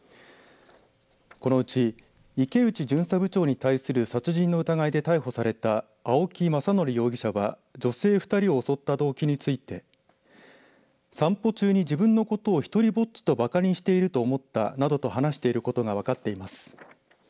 このうち池内巡査部長に対する殺人の疑いで逮捕された青木政憲容疑者は女性２人を襲った動機について散歩中に自分のことを独りぼっちとばかにしていると思ったなどと話していることが分かっています。